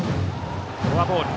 フォアボール。